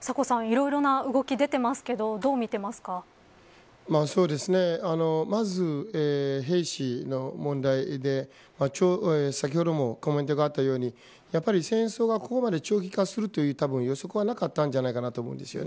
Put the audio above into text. サコさん、いろいろな動きが出ていますがどう見ていますかまず兵士の問題で先ほどもコメントがあったように戦争がここまで長期化するという予測がなかったんじゃないかと思います。